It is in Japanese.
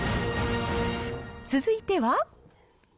続いては。